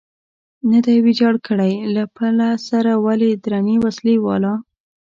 نه دی ویجاړ کړی، له پله سره ولې درنې وسلې والا.